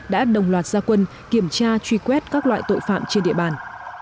đã đồng loạt gia quân kiểm tra truy quét các loại tội phạm trên địa bàn